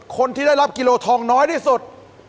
คนที่ได้รับกิโลทองน้อยที่สุด